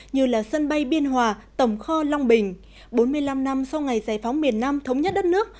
như là sân bay biên hòa tổng kho long bình bốn mươi năm năm sau ngày giải phóng miền nam thống nhất đất nước